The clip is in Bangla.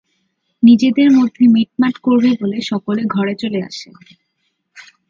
নিজেদের মধ্যে মিট-মাট করবে বলে সকলে ঘরে চলে আসে।